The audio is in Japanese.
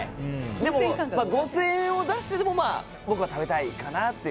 でも５０００円を出してでも僕は食べたいかなっていう。